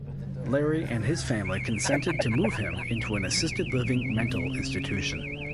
Larry and his family consented to move him into an assisted-living mental institution.